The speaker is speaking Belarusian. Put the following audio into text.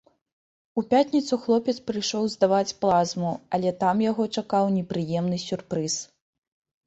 У пятніцу хлопец прыйшоў здаваць плазму, але там яго чакаў непрыемны сюрпрыз.